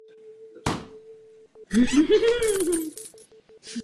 Byl členem výtvarného odboru Umělecké besedy.